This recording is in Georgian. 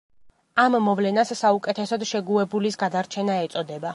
ამ მოვლენას, საუკეთესოდ შეგუებულის გადარჩენა ეწოდება.